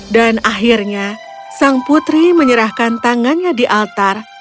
dan akhirnya sang putri menyerahkan tangannya di altar